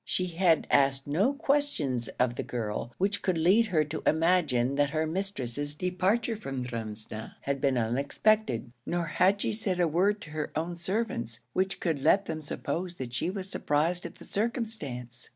She had asked no questions of the girl which could lead her to imagine that her mistress's departure from Drumsna had been unexpected, nor had she said a word to her own servants which could let them suppose that she was surprised at the circumstance.